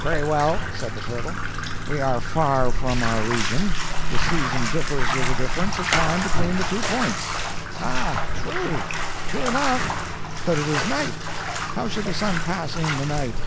"Very well," said the Turtle, "we are far from our region; the season differs with the difference of time between the two points." "Ah, true. True enough. But it is night. How should the sun pass in the night?"